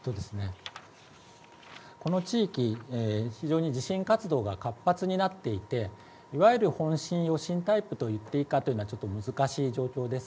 この地域、非常に地震活動が活発になっていていわいる本震、余震タイプと言っていいかというのは難しい状況です。